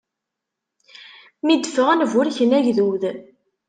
Mi d-ffɣen, burken agdud.